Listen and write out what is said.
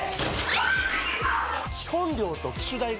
基本料と機種代が